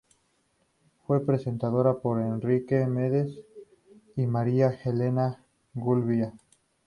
Fue presentada por Henrique Mendes y Maria Helena Gouveia.